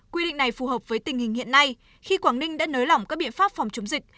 quy định này phù hợp với tình hình hiện nay khi quảng ninh đã nới lỏng các biện pháp phòng chống dịch